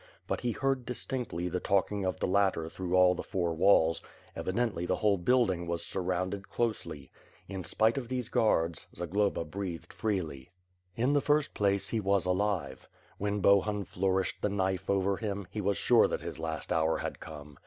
But he heard distinctly the talking of the latter through all the four walls, evidently the whole building was sxtrrounded closely. In spite of these guards, Zagloba breathed freelj. 484 WITH FIRE AND SWORD. In the first place, he was alive. When Bohun flourished the knife over him, he was sure that his last hour had come.